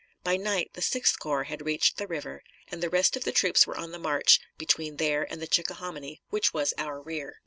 By night the Sixth Corps had reached the river, and the rest of the troops were on the march between there and the Chickahominy, which was our rear.